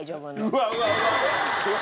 うわうわうわ！